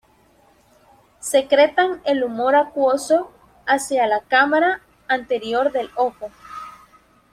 Secretan el humor acuoso hacia la "cámara anterior del ojo.